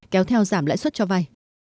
kéo theo giảm lãi suất cho vay